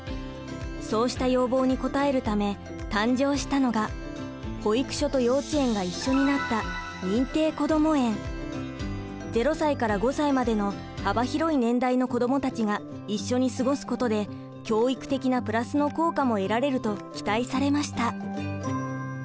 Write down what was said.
そうした要望に応えるため誕生したのが保育所と幼稚園が一緒になった０歳から５歳までの幅広い年代の子どもたちが一緒に過ごすことで教育的なプラスの効果も得られると期待されました。